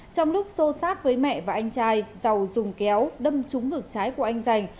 trong lúc xô xát với mẹ và anh trai giàu dùng kéo đâm trúng ngược trái của anh giành